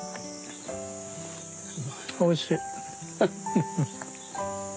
おいしい。